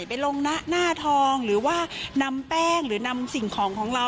ไปลงหน้าทองหรือว่านำแป้งหรือนำสิ่งของของเรา